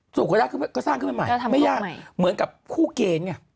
ก็ได้ก็สร้างขึ้นมาใหม่ไม่ยากเหมือนกับคู่เกณฑ์ไง